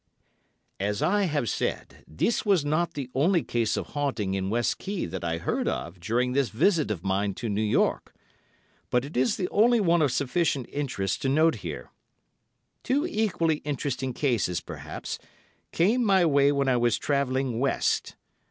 As I have said, this was not the only case of haunting in West Quay that I heard of during this visit of mine to New York, but it is the only one of sufficient interest to note here. Two equally interesting cases, perhaps, came my way when I was travelling West.